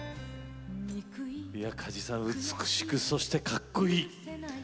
梶さん美しくかっこいい。